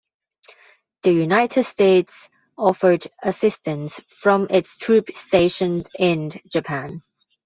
The United States offered assistance from its troops stationed in Japan.